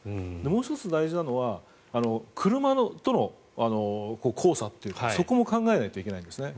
もう１つ大事なのは車との交差というかそこも考えないといけないんですね。